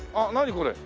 これ。